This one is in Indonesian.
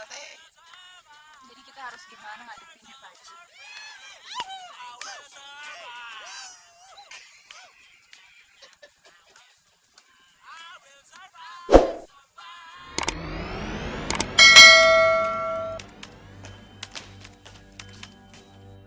jadi kita harus gimana ngadepinnya pak